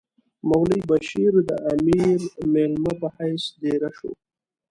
مولوی بشیر د امیر مېلمه په حیث دېره شو.